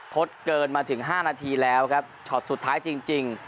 ทดเกินมาถึง๕นาทีแล้วครับช็อตสุดท้ายจริง